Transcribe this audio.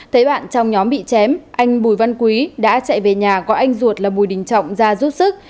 thấy bạn trong nhóm bị chém anh bùi văn quý đã chạy về nhà có anh ruột là bùi đình trọng ra giúp sức